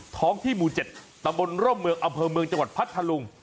ท้องที่หมู่๗ตะบนร่มเมืองอำเภอเมืองจังหวัดพัทธลุง